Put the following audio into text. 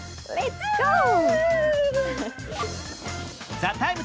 「ＴＨＥＴＩＭＥ，」